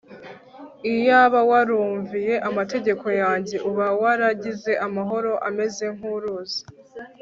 iyaba warumviye amategeko yanjye uba waragize amahoro ameze nkuruzi